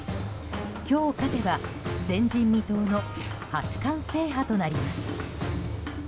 今日勝てば前人未到の八冠制覇となります。